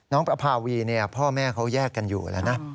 นางประพาวีเนี่ยพ่อแม่เขาแยกกันอยู่แล้วนะ